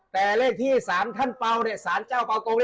แต่เลขที่สารท่านเปล่าเนี่ยสารเจ้าเป่ากง